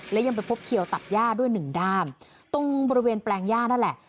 และยังไปพบเขียวตัดย่าด้วยหนึ่งด้ามตรงบริเวณแปลงย่านั่นแหละ